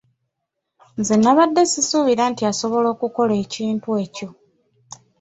Nze nnabadde sisuubira nti asobola okukola ekintu ekyo.